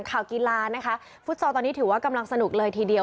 ข่าวกีฬานะคะฟุตซอลตอนนี้ถือว่ากำลังสนุกเลยทีเดียว